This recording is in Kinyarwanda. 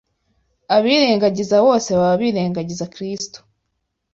abirengagiza bose baba birengagiza Kristo